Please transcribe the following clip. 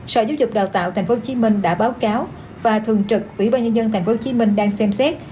sở giáo dục đào tạo tp hcm đã báo cáo và thường trực ủy ban nhân dân tp hcm đang xem xét